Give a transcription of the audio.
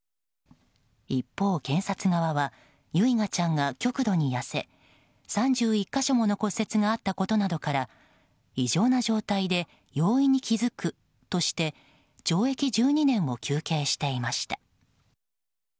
一方、検察側は唯雅ちゃんが極度に痩せ３１か所も骨折があったことなどから異常な状態で容易に気付くとして懲役１２年を求刑していました。